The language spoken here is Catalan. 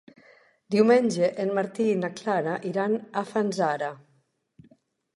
Diumenge en Martí i na Clara iran a Fanzara.